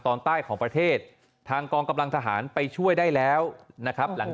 ตอนใต้ของประเทศทางกองกำลังทหารไปช่วยได้แล้วนะครับหลัง